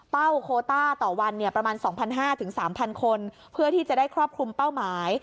โคต้าต่อวันประมาณ๒๕๐๐๓๐๐คนเพื่อที่จะได้ครอบคลุมเป้าหมาย